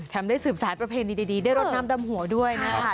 ทำได้ศึกษาประเพณีดีได้รดน้ำดำหัวด้วยนะฮะ